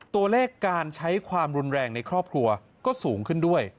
ตัวเลขการใช้ความรุนแรงในครอบครัวก็สูงขึ้นด้วย